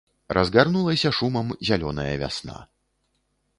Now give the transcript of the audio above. Разгарнулася шумам зялёная вясна.